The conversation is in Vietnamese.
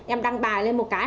em đăng bài lên một cái